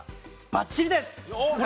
ばっちりです！